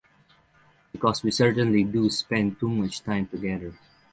Because we certainly do spend too much time together.